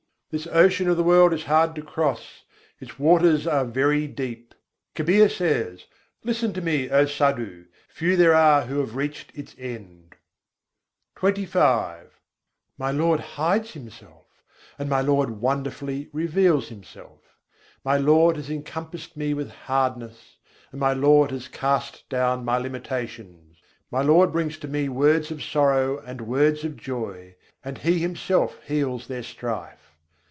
This ocean of the world is hard to cross: its waters are very deep. Kabîr says: "Listen to me, O Sadhu! few there are who have reached its end." XXV II. 45. Hari ne apnâ âp chipâyâ My Lord hides Himself, and my Lord wonderfully reveals Himself: My Lord has encompassed me with hardness, and my Lord has cast down my limitations. My Lord brings to me words of sorrow and words of joy, and He Himself heals their strife.